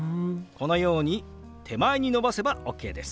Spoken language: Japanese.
このように手前に伸ばせばＯＫです。